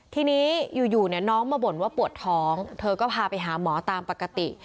ทีนี้อยู่น้องมาบ่นว่าปวดท้องเธอก็พาไปหาหมอตามปกติ